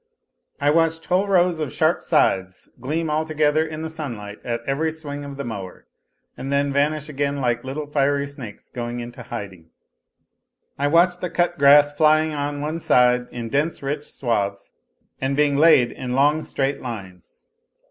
I watched whole rows of sharp scythes gleam all together in the sunlight at every swing of the mower and then vanish again like little fiery snakes going into hiding; I watched the cut grass flying on one side in dense rich swathes and being laid in long straight lines.